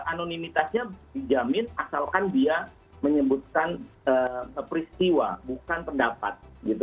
anonimitasnya dijamin asalkan dia menyebutkan peristiwa bukan pendapat